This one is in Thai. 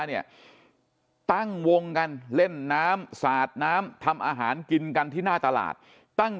เนี่ยตั้งวงกันเล่นน้ำสาดน้ำทำอาหารกินกันที่หน้าตลาดตั้ง